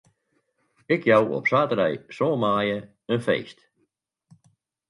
Ik jou op saterdei sân maaie in feest.